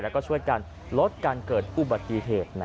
แล้วก็ช่วยกันลดการเกิดอุบัติเหตุ